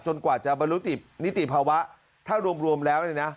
กว่าจะบรรลุนิติภาวะถ้ารวมแล้วเนี่ยนะ